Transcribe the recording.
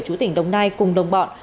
chú tỉnh đồng nai cùng đồng bọn